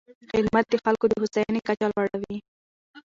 خدمت د خلکو د هوساینې کچه لوړوي.